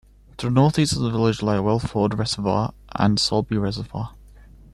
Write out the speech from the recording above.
To the North East of the village lie Welford Reservoir and Sulby Reservoir.